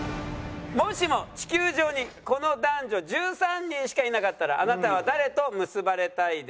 もしも地球上にこの男女１３人しかいなかったらあなたは誰と結ばれたいですか？